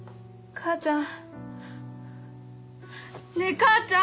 母ちゃん。